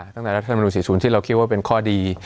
รัฐธรรมนุน๔๐ที่เราคิดว่าเป็นข้อดี